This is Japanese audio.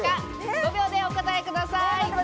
５秒でお答えください。